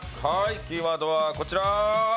キーワードはこちら。